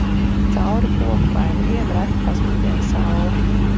Cauri koku vainagiem reti paspīdēja saule.